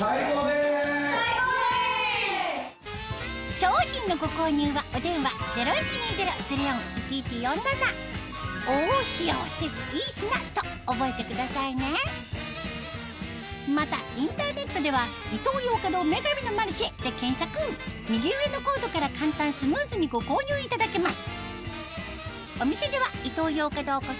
商品のご購入はお電話０１２０−０４−１１４７と覚えてくださいねまたインターネットでは右上のコードから簡単スムーズにご購入いただけます